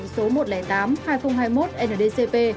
theo nghị định số một trăm linh tám hai nghìn hai mươi một ndcp